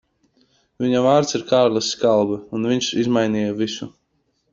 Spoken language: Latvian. Viņa vārds ir Kārlis Skalbe, un viņš izmainīja visu.